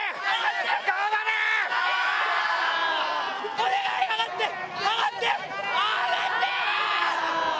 お願い上がって、上がって！